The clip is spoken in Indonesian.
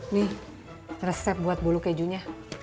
nih resep buat bulu kejunya